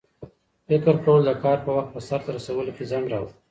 فکر کول د کار په وخت په سرته رسولو کې ځنډ راولي.